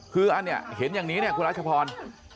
คืออันนี้เห็นอย่างนี้เนี่ยคุณรัชพร